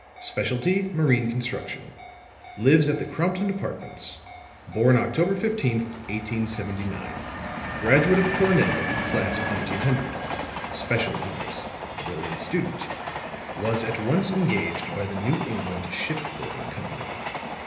Specialty, Marine Construction. Lives at the Crompton Apartments. Born October 15, 1879. Graduate of Cornell; class of 1900. Special honors. Brilliant student. Was at once engaged by the New England Ship Building Company.